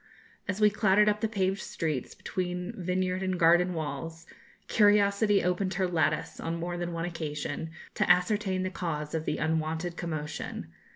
As we clattered up the paved streets, between vineyard and garden walls, 'curiosity opened her lattice,' on more than one occasion, to ascertain the cause of the unwonted commotion.